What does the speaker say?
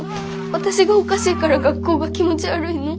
私がおかしいから学校が気持ち悪いの？